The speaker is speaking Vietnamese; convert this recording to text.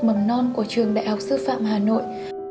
mầm non của trường đại học sư phạm hà nội